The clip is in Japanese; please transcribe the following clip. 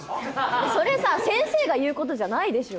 それさ先生が言うことじゃないでしょ。